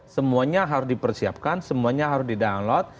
semuanya harus dipersiapkan semuanya harus didownload